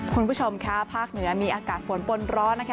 คุณผู้ชมค่ะภาคเหนือมีอากาศฝนปนร้อนนะคะ